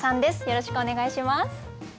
よろしくお願いします。